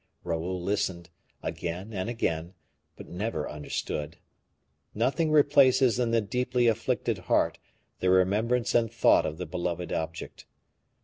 Raoul listened, again and again, but never understood. Nothing replaces in the deeply afflicted heart the remembrance and thought of the beloved object.